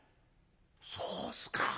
「そうっすか。